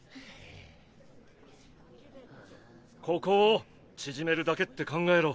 ここを縮めるだけって考えろ。